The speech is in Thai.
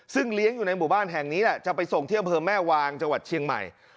ซึ่งเลี้ยงอยู่ในหมู่บ้านแห่งนี้แหละจะไปส่งที่อำเภอแม่วางจังหวัดเชียงใหม่